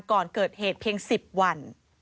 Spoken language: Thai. ก่อนเกิดเหตุเพียง๑๐วัน